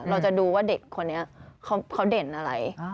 เราจะดูว่าเด็กคนนี้เขาเด่นอะไร